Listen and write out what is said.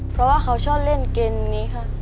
เพราะว่าเขาชอบเล่นเกมอย่างนี้ค่ะ